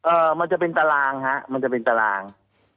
มันจะเป็นตารางฮะมันจะเป็นตาราง